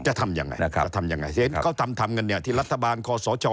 จะทำอย่างไรเขาทำทำกันที่รัฐบาลขอสอชอ